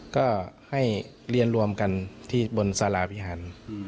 ก็ให้เรียนรวมกันที่บนสาราวิหาร